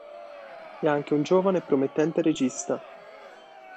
È anche un giovane e promettente regista.